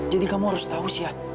jadi kamu harus tahu sya